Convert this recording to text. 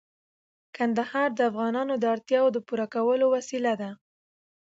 کندهار د افغانانو د اړتیاوو د پوره کولو وسیله ده.